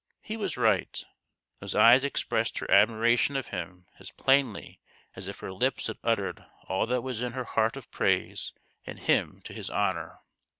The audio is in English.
He was right. Those e} 7 es expressed her admiration of him as plainly as if her lips had uttered all that was in her heart of praise and hymn to his honour.